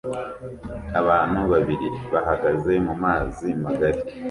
Abantu babiri bahagaze mumazi magari